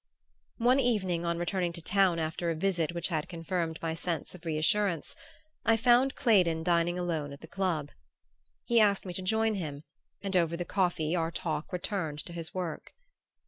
One evening, on returning to town after a visit which had confirmed my sense of reassurance, I found Claydon dining alone at the club. He asked me to join him and over the coffee our talk turned to his work.